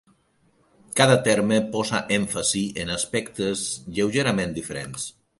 Cada terme posa èmfasi en aspectes lleugerament diferents.